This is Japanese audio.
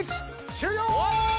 終了！